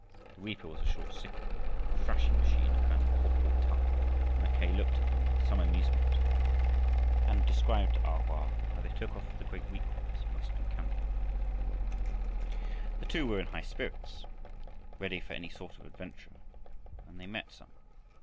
The reaper was a short sickle, the thrashing machine a kind of portable tub, and Mackay looked at them with some amusement, and described to A Hoa how they took off the great wheat crops in western Canada. The two were in high spirits, ready for any sort of adventure and they met some.